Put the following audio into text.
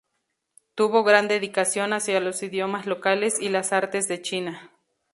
Tuvo gran dedicación hacia los idiomas locales y las artes de China.